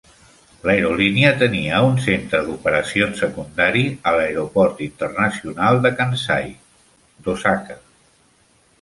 L'aerolínia tenia un centre d'operacions secundari a l'Aeroport Internacional de Kansai d'Osaka.